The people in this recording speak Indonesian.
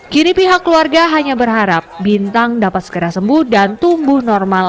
kini pihak keluarga hanya berharap bintang dapat segera sembuh dan tumbuh normal